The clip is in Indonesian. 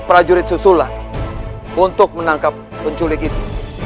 prajurit susulan untuk menangkap penculik itu